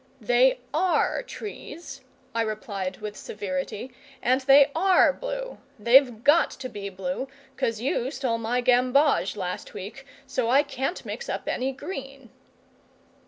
"They ARE trees," I replied with severity; "and they ARE blue. They've got to be blue, 'cos you stole my gamboge last week, so I can't mix up any green."